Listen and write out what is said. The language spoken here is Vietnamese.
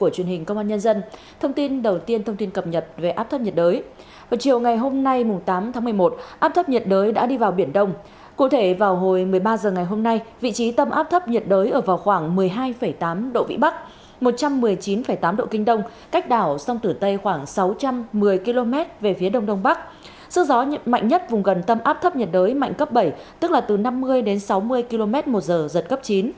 sức gió mạnh nhất vùng gần tâm áp thấp nhiệt đới mạnh cấp bảy tức là từ năm mươi đến sáu mươi km một giờ giật cấp chín